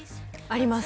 あります